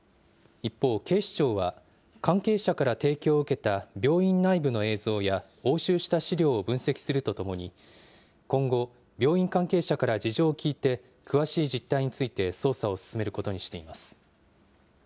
一方、警視庁は関係者から提供を受けた病院内部の映像や押収した資料を分析するとともに、今後、病院関係者から事情を聴いて、詳しい実態について捜査を進めることにしています。